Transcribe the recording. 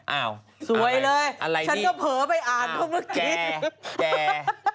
เอ้าสวยเลยฉันก็เผยไปอ่านพอเมื่อกี้